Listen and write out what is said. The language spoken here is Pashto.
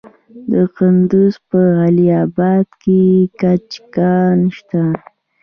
د کندز په علي اباد کې د ګچ کان شته.